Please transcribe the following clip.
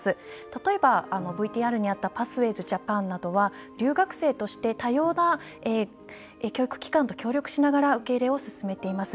例えばＶＴＲにあったようなパスウェイズ・ジャパンなどは留学生として多様な教育機関と協力しながら受け入れを進めています。